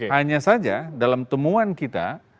hanya saja dalam temuan kita